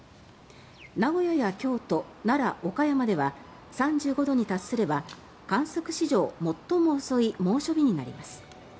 名古屋や京都、奈良、岡山では３５度に達すれば観測史上最も遅い猛暑日になります。